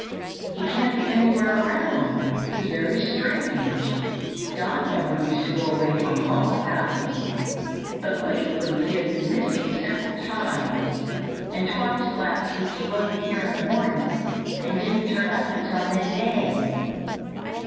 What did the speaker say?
"He can't be anywhere around. It is very strange. Don never used to go away from home without me, but lately he has been missing several times, and twice last week he wasn't here in the morning and didn't turn up until midday."